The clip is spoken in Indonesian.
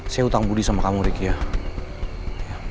saya utang budi sama kamu ricky ya